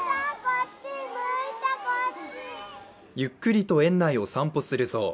ゆっくりと園内を散歩するゾウ。